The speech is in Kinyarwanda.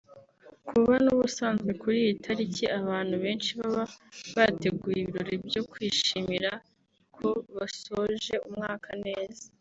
Kuba n’ubusanzwe kuri iyi tariki abantu benshi baba bateguye ibirori byo kwishimira ko basoje umwaka neza